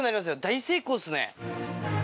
大成功ですね。